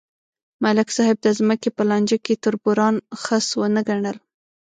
ملک صاحب د ځمکې په لانجه کې تربوران خس ونه ګڼل.